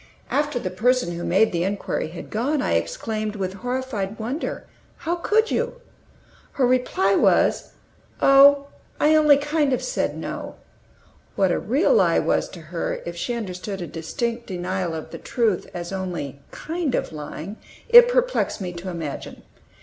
After the person who made the inquiry had gone, I exclaimed, with horrified wonder, "How could you?" Her reply was, "Oh, I only kind of said no." What a real lie was to her, if she understood a distinct denial of the truth as only "kind of" lying, it perplexed me to imagine.